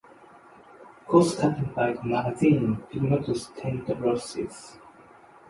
Cost-cutting by the magazine did not stem the losses.